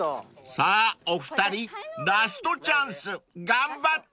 ［さぁお二人ラストチャンス頑張って］